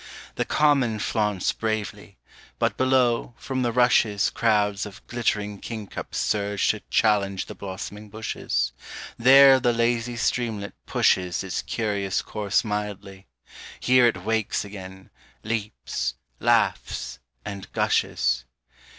The common flaunts bravely; but below, from the rushes Crowds of glittering king cups surge to challenge the blossoming bushes; There the lazy streamlet pushes Its curious course mildly; here it wakes again, leaps, laughs, and gushes.